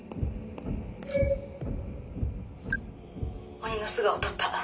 鬼の素顔を撮った。